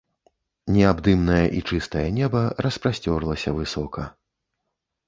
Неабдымнае і чыстае неба распасцерлася высока.